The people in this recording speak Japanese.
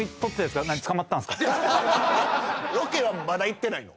ロケはまだ行ってないの？